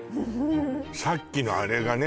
さっきのあれがね